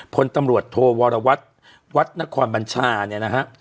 พลตำรวจโทวรวัตรวัดนครบัญชาเนี่ยนะฮะ